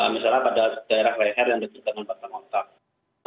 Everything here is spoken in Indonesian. misalnya pada daerah leher yang dikenal batang ontak